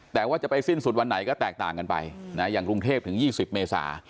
แต่ว่าจะไปสิ้นสุดวันไหนก็แตกต่างกันไปอย่างกรุงเทพถึง๒๐เมษา